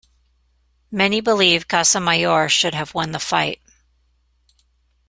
Many believe Casamayor should have won the fight.